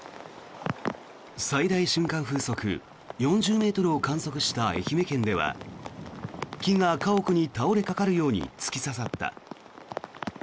最大瞬間風速４０ｍを観測した愛媛県では木が家屋に倒れかかるように突き刺さった。